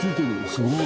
すごい。